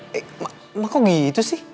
eh ma ma kok gitu sih